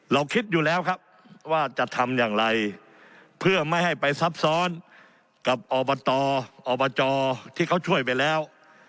เราคิดอยู่แล้วครับว่าจะทำอย่างไรเพื่อไม่ให้ไปซับซ้อนกับอบตอบจที่เขาช่วยไปแล้ว